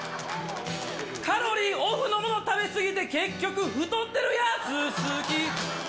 カロリーオフのもの食べ過ぎて、結局太ってるやつ、好き。